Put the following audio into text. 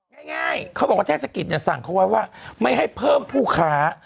ใช่ง่ายเขาบอกว่าเทศกิจก็สั่งความว่าไม่ให้เพิ่มผู้ค้า